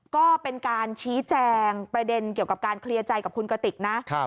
ก็เป็นการชี้แจงประเด็นเกี่ยวกับการเคลียร์ใจกับคุณกระติกนะ